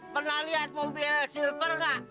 pernah liat mobil silver gak